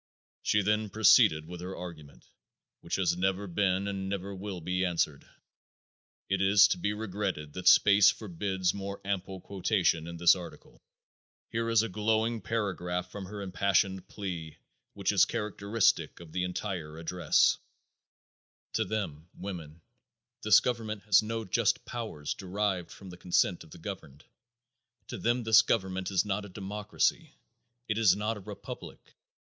She then proceeded with her argument, which has never been and never will be answered. It is to be regretted that space forbids more ample quotation in this article. Here is a glowing paragraph from her impassioned plea which is characteristic of the entire address: "To them (women) this government has no just powers derived from the consent of the governed. To them this government is not a democracy. It is not a republic.